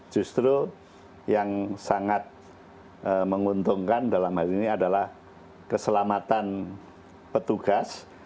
justru yang sangat menguntungkan dalam hal ini adalah keselamatan petugas